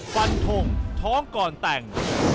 ฟันทงท้องก่อนแต่ง